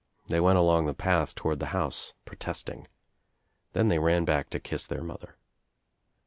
They went along the path toward the house protesting. Then they ran back to kUs their mother.